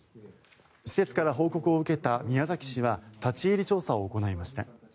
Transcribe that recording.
施設から報告を受けた宮崎市は立ち入り調査を行いました。